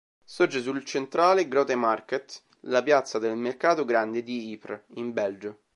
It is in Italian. Sorge sul centrale Grote Markt, la piazza del Mercato grande, di Ypres, in Belgio.